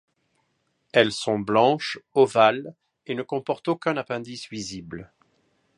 Elles sont blanches, ovales et ne comportent aucun appendice visible.